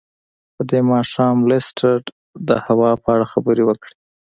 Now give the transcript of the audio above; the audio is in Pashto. په دې ماښام لیسټرډ د هوا په اړه خبرې وکړې.